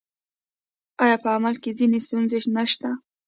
آیا په عمل کې ځینې ستونزې نشته؟